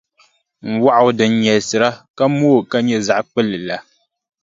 N wɔɣu din nyɛlisira ka mooi ka nyɛ zaɣʼ kpulli la.